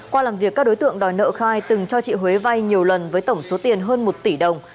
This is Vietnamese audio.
qua làm việc các đối tượng đòi nợ khai từng cho chị huế vay nhiều lần với tổng số tiền hơn một tỷ đồng